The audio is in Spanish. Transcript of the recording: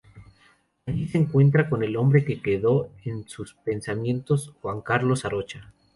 Allí se encuentra con el hombre que quedó en sus pensamientos, Juan Carlos Arocha.